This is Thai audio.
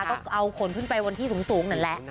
ก็เอาขนขึ้นไปวนที่สูงหน่อยแหละ